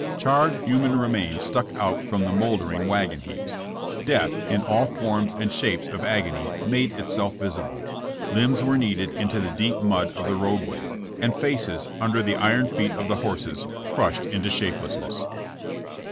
Charred human remains stuck out from the moulder ing wagon heaps. Death, in all forms and shapes of agony made itself visible. Limbs were kneaded into the deep mud of the roadway, and faces, under the iron feet of the horses, crushed into shapelessness.